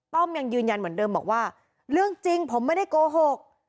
ยังยืนยันเหมือนเดิมบอกว่าเรื่องจริงผมไม่ได้โกหก